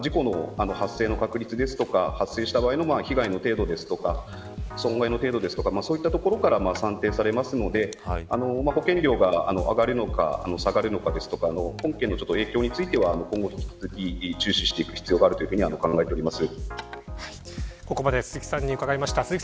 保険料の算定については事故の発生の確率とか発生した場合の被害の程度とか損害の程度とかそういったところから算定されますので保険料が上がるのか下がるのかとか本件の影響については今後引き続き注視していく必要がここまで鈴木さんに伺いました。